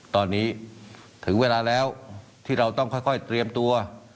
ตอนนี้ถึงเวลาแล้วที่เราต้องค่อยเตรียมตัว